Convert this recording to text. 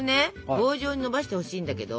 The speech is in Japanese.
棒状にのばしてほしいんだけど。